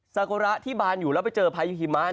โกระที่บานอยู่แล้วไปเจอพายุหิมะ